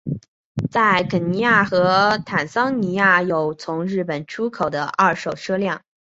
在肯尼亚和坦桑尼亚有从日本出口的二手车辆。